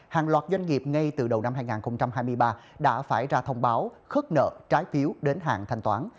hàng loạt doanh nghiệp ngay từ đầu năm hai nghìn hai mươi ba đã phải ra thông báo khất nợ trái phiếu đến hạn thanh toán